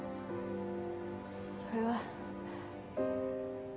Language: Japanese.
それは。